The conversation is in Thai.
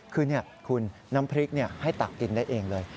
คือน้ำพริกให้ตักกินได้เองเลย